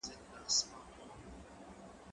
زه له سهاره ليک لولم!؟